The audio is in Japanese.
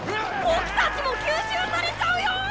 ボクたちも吸収されちゃうよ。